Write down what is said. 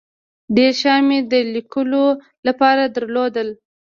ډیر شیان مې د لیکلو له پاره درلودل.